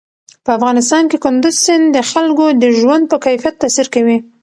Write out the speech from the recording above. په افغانستان کې کندز سیند د خلکو د ژوند په کیفیت تاثیر کوي.